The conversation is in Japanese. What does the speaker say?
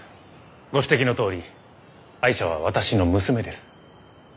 ご指摘のとおりアイシャは私の娘です。